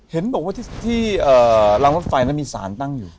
เห็นบอกว่าที่รางรถไฟมีสารตั้งอยู่